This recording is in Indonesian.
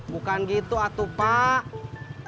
bukan gitu atu pak